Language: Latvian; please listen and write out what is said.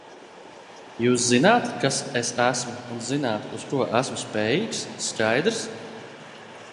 Jūs zināt, kas es esmu, un zināt, uz ko esmu spējīgs, skaidrs?